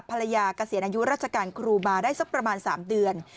ภรรยากระเสียนายุราชการครูมาได้สักประมาณ๓เดือน